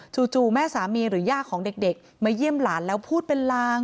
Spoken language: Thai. จู่แม่สามีหรือย่าของเด็กมาเยี่ยมหลานแล้วพูดเป็นลาง